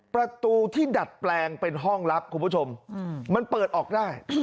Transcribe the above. ประตูที่ดัดแปลงเป็นห้องลับคุณผู้ชมมันเปิดออกได้